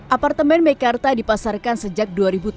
apartemen meikarta dipasarkan sejak dua ribu tujuh belas